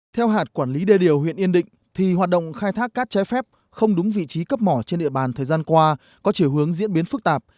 theo hạt quản lý đê điều huyện yên định thì hoạt động khai thác cát trái phép không đúng vị trí cấp mỏ trên địa bàn thời gian qua có chiều hướng diễn biến phức tạp